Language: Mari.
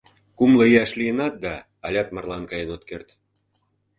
Кумло ияш лийынат да, алят марлан каен от керт...